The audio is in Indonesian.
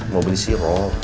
mau beli sirup